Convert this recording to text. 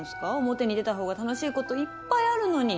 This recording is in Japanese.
表に出たほうが楽しい事いっぱいあるのに。